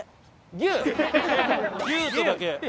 「牛」とだけ。